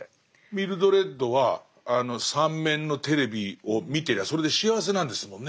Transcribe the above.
ミルドレッドはあの三面のテレビを見てりゃそれで幸せなんですもんね。